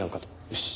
よし。